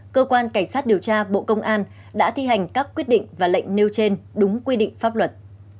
cơ quan cảnh sát điều tra bộ công an đã thi hành các quyết định và lệnh nêu trên đúng quy định pháp luật